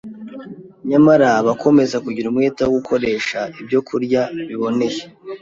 Nyamara abakomeza kugira umwete wo gukoresha ibyokurya biboneye,